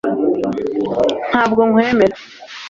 ntabwo nkwemera